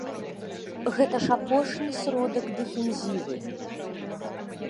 Гэта ж апошні сродак дэфензівы!